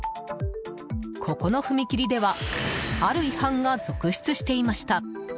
ここの踏切ではある違反が続出していました。